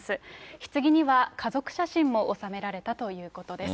ひつぎには家族写真も収められたということです。